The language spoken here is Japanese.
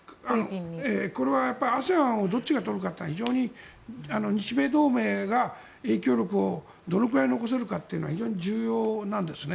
これはＡＳＥＡＮをどっちが取るかは非常に日米同盟が影響力をどのくらい残せるかは非常に重要なんですね。